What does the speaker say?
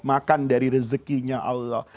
makan dari rezeki nya allah